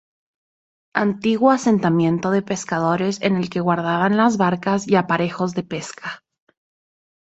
Antiguo asentamiento de pescadores, en el que guardaban las barcas y aparejos de pesca.